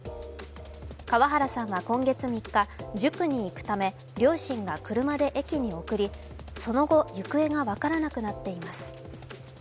川原さんは今月３日塾に行くため両親が車で駅に送りその後、行方が分からなくなっています。